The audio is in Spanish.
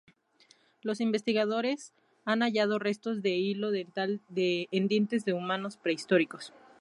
Los investigadores han hallado restos de hilo dental en dientes de humanos prehistóricos.